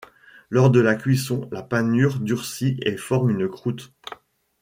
Lors de la cuisson, la panure durcit et forme une croute.